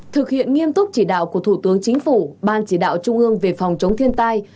thực hiện nghiêm túc chỉ đạo của thủ tướng chính phủ ban chỉ đạo trung ương về phòng chống thiên tai